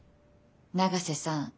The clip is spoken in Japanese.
永瀬さん